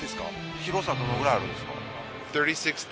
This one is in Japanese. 広さどのくらいあるんですか？